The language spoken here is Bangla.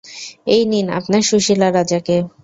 এই নিন আপনার সুশীলা রাজা কে।